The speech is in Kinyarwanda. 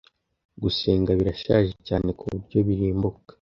gusenga birashaje cyane kuburyo birimbuka